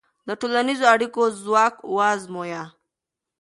د ټولنیزو اړیکو ځواک وازمویه.